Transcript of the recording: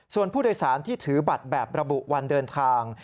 ส่วนผู้โดยสารที่ถือบัตรแบบระบุวันเดินทาง